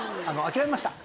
諦めました。